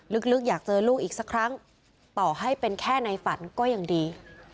ลึกอยากเจอลูกอีกสักครั้งต่อให้เป็นแค่ในฝันก็ยังดี